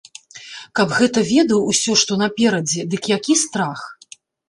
Каб гэта ведаў усё, што наперадзе, дык які страх!